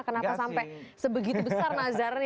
kenapa sampai sebegitu besar nazarnya